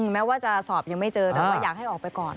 แม้ว่าจะสอบยังไม่เจอแต่ว่าอยากให้ออกไปก่อน